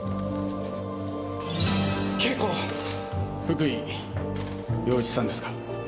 福井陽一さんですか？